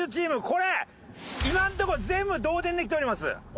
これ今のとこ全部同点できております。